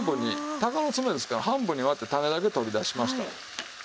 鷹の爪ですから半分に割って種だけ取り出しました。